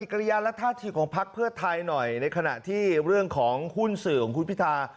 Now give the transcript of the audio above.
ก็ยันรัตนาฐาธิกองพักเพื่อไทยหน่อยในขณะที่เรื่องของหุ้นสื่อของคุณพิทา